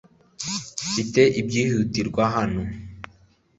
Mfite ibyihutirwa hano .